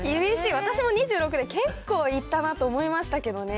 私も２６で、結構いったなと思いましたけどね。